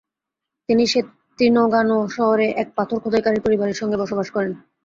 তিনি সেত্তিগনানো শহরে এক পাথর খোদাইকারীর পরিবারের সাথে বসবাস করেন।